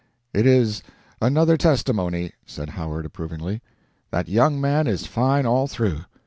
"It is another testimony," said Howard, approvingly. "That young man is fine all through.